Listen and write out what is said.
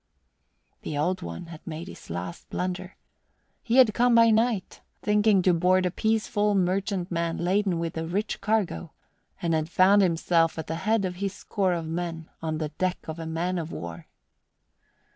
The Old One had made his last blunder. He had come by night, thinking to board a peaceful merchantman laden with a rich cargo, and had found himself at the head of his score of men on the deck of a man of war.